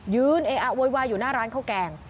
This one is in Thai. เออะโวยวายอยู่หน้าร้านข้าวแกง